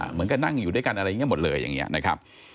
มันก็นั่งอยู่ด้วยกันอะไรอย่างนี้หมดเลยอย่างนี้นะครับ